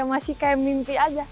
masih kayak mimpi aja